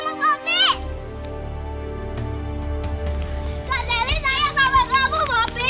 gak serius jangan berdiri lagi sama poppy